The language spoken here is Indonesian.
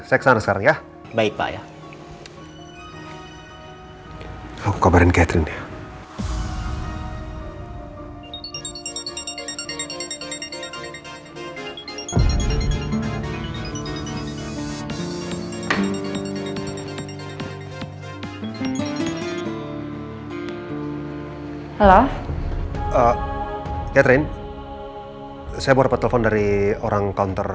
teksan saya baik baik aku kabarin catherine ya halo catherine saya berpetelepon dari orang counter